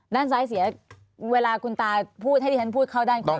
ด้านซ้ายเสียเวลาคุณตาพูดให้ที่ฉันพูดเข้าด้านขวา